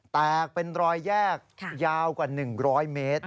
แตกเป็นรอยแยกยาวกว่า๑๐๐เมตร